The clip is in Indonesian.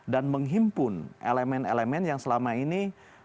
dan menghimpun elemen elemen yang selama ini